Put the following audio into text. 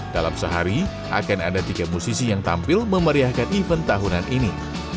dalam sehari akan ada tiga musisi yang tampil memeriahkan event tahunan ini